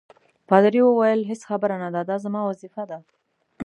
پادري وویل: هیڅ خبره نه ده، دا زما وظیفه ده.